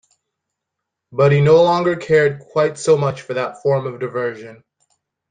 But he no longer cared quite so much for that form of diversion.